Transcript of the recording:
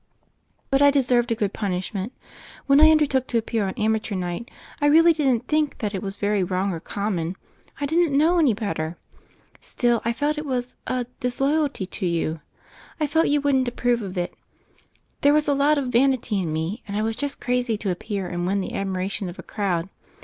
"But I deserved a good punishment. When I undertook to appear on ^Amateur Night' I really didn't think it was very wrong or com mon. I didn't know any better. Still I felt it was a — a disloyalty to you; I felt you wouldn't approve of it. There was a lot of vanity in me, and I was just crazy to appear and win the admiration of a crowd.